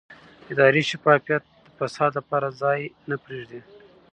اداري شفافیت د فساد لپاره ځای نه پرېږدي